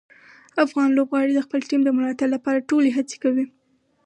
افغان لوبغاړي د خپلې ټیم د ملاتړ لپاره ټولې هڅې کوي.